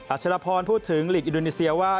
อัชรพรพูดถึงลีกอินดูนิเซียว่า